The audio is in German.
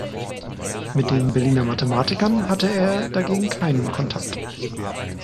Mit den Berliner Mathematikern hatte er dagegen keinen Kontakt.